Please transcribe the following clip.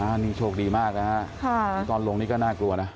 อันนี้โชคดีมากนะฮะนี่ตอนลงนี่ก็น่ากลัวนะ